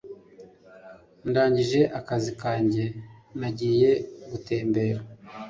Ndangije akazi kanjye, nagiye gutembera.